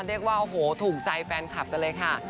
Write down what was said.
เรียกว่าโอ้โหถูกใจแฟนคลับกันเลยค่ะ